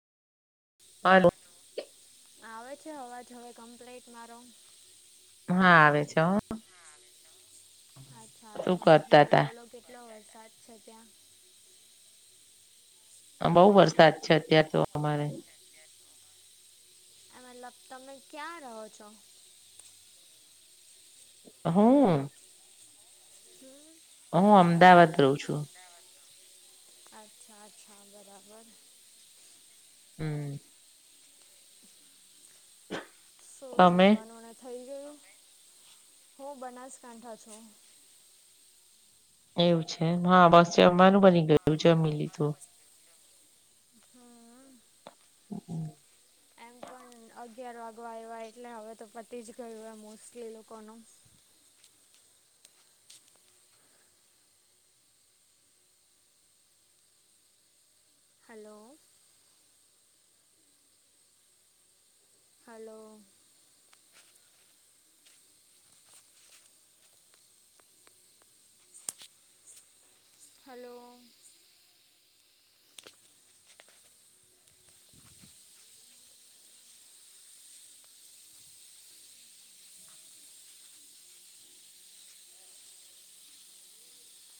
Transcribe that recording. હાલો આવે છે અવાજ હવે કમ્પ્લીટ મારો હા આવે છે હો અચ્છા શું અચ્છા કરતા બોલો બોલો તા કેટલો વરસાદ છે ત્યાં? બહુ વરસાદ છે અત્યારે તો અમારે આ મતલબ તમે ક્યાં રહો છો? હુ? હમ હું અમદાવાદ રહું છું. અચ્છા અચ્છા બરાબર હમ શું તમે જમવાનું અને થઈ ગયું હું બનાસકાંઠા છું. એવું છે હા બસ જમવાનું બની ગયું જમી લીધું હમ હમ એમ પણ અગિયાર વાગવા આવ્યા એટલે હવે તો પતી જ ગયું હોય મોસ્ટલી લોકોનુ હાલો હાલો હાલો